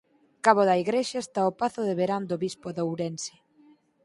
Cabo da igrexa está o pazo de verán do bispo de Ourense.